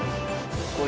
これ。